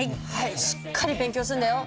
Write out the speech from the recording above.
しっかり勉強すんだよ。